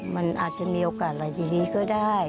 มันอาจจะมีโอกาสหลายทีดีก็ได้